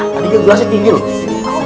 tadi dia gelasnya tinggi loh